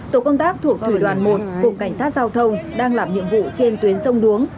tổ công tác thuộc thủy đoàn một cục cảnh sát giao thông đang làm nhiệm vụ trên tuyến sông đuống